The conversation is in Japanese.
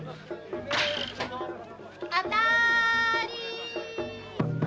当たり！